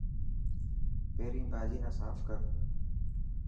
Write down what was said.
پهرين ڀاڄي نه ساف ڪر.